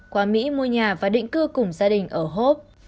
qua mỹ mua nhà và định cư cùng gia đình ở hope